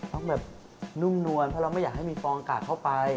ต้องแบบนุ่มนวลเพราะเราไม่อยากให้มีฟองอากาศเข้าไป